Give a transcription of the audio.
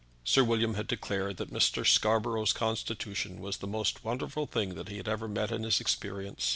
Sir William had declared that Mr. Scarborough's constitution was the most wonderful thing that he had ever met in his experience.